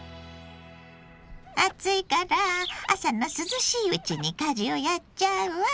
暑いから朝の涼しいうちに家事をやっちゃうわ。